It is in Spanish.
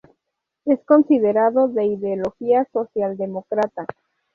Es considerado de ideología socialdemócrata.